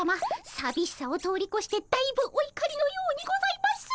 さびしさを通り越してだいぶおいかりのようにございます。